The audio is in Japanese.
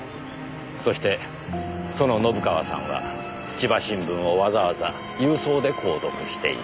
そしてその信川さんは千葉新聞をわざわざ郵送で購読していた。